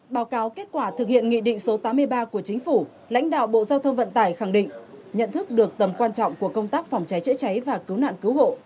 báo cáo kết quả thực hiện nghị định số tám mươi ba của chính phủ lãnh đạo bộ giao thông vận tải khẳng định nhận thức được tầm quan trọng của công tác phòng cháy chữa cháy và cứu nạn cứu hộ